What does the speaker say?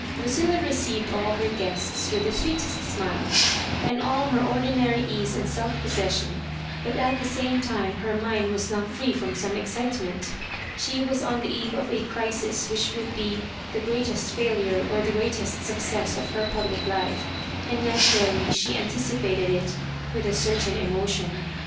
Lucilla received all her guests with the sweetest smiles and all her ordinary ease and self posses sion, but at the same time her mind was not free from some excitement. She was on the eve of a crisis which would be the greatest failure or the greatest success of her public life, and na turally she anticipated i^ ^'ith a certain emotion.